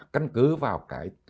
căn cứ vào cái